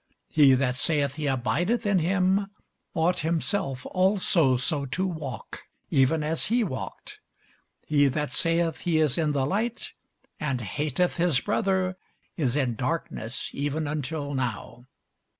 He that saith he abideth in him ought himself also so to walk, even as he walked. He that saith he is in the light, and hateth his brother, is in darkness even until now.